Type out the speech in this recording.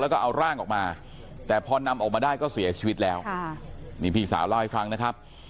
แล้วก็เอาร่างออกมาแต่พอนำออกมาได้ก็เสียชีวิตแล้วนี่พี่สาวเล่าให้ฟังนะครับ